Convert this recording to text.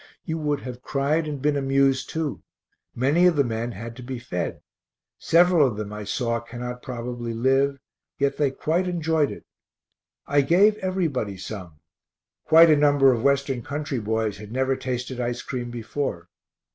You would have cried and been amused too. Many of the men had to be fed; several of them I saw cannot probably live, yet they quite enjoyed it. I gave everybody some quite a number [of] Western country boys had never tasted ice cream before.